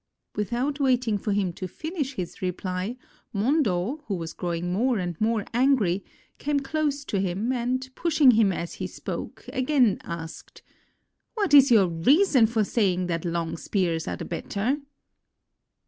Without waiting for him to finish his reply, Mondo, who was growing more and more angry, came close to 333 JAPAN him, and pushing him as he spoke, again asked, "What is your reason for saying that long spears are the better?"